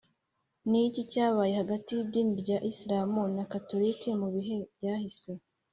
ni iki cyabaye hagati y’idini rya isilamu na gatolika mu bihe byahise?